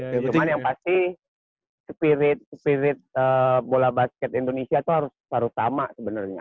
cuman yang pasti spirit bola basket indonesia tuh harus sama sebenernya